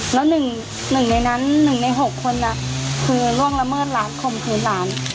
แล้ว๑ใน๖คนคือล่วงละเมิดหลานคมคืนหลาน